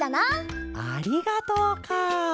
「ありがとう」かあ！